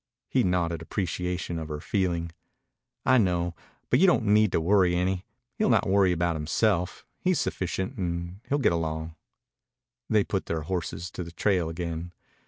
He nodded appreciation of her feeling. "I know, but you don't need to worry any. He'll not worry about himself. He's sufficient, and he'll get along." They put their horses to the trail again.